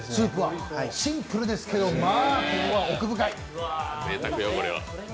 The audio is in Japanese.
シンプルですけど、まあ、味は奥深い。